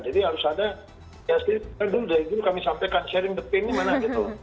jadi harus ada ya dulu dari dulu kami sampaikan sharing the pain nya mana gitu